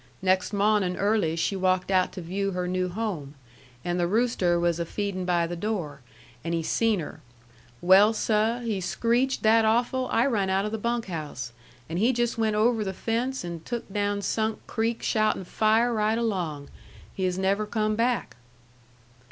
Next mawnin' early she walked out to view her new home, and the rooster was a feedin' by the door, and he seen her. Well, seh, he screeched that awful I run out of the bunk house; and he jus' went over the fence and took down Sunk Creek shoutin' fire, right along. He has never come back."